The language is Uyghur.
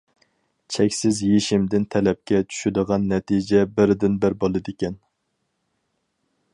چەكسىز يېشىمىدىن تەلەپكە چۈشىدىغان نەتىجە بىردىنبىر بولىدىكەن.